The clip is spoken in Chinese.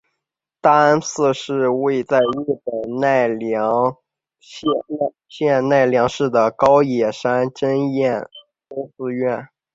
大安寺是位在日本奈良县奈良市的高野山真言宗寺院。